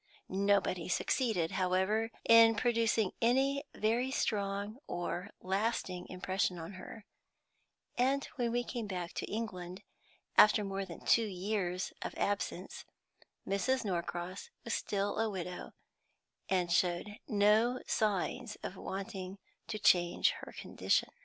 Nobody succeeded, however, in producing any very strong or lasting impression on her; and when we came back to England, after more than two years of absence, Mrs. Norcross was still a widow, and showed no signs of wanting to change her condition.